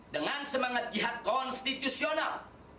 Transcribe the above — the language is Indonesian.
dengan semangat jihad konstitusional